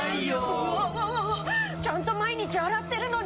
うわわわわちゃんと毎日洗ってるのに。